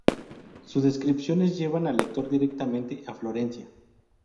Sus descripciones llevan al lector directamente a Florencia.